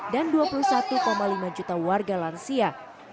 dan dua puluh satu lima juta warga lansia